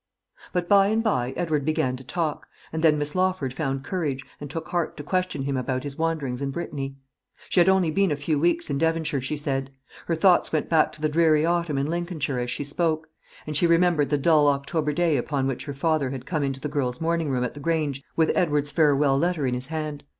But by and by Edward began to talk, and then Miss Lawford found courage, and took heart to question him about his wanderings in Brittany. She had only been a few weeks in Devonshire, she said. Her thoughts went back to the dreary autumn in Lincolnshire as she spoke; and she remembered the dull October day upon which her father had come into the girl's morning room at the Grange with Edward's farewell letter in his hand.